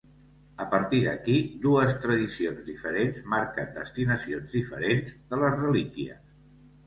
A partir d'aquí, dues tradicions diferents marquen destinacions diferents de les relíquies.